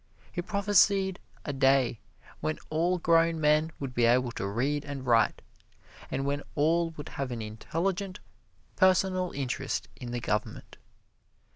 He prophesied a day when all grown men would be able to read and write, and when all would have an intelligent, personal interest in the government.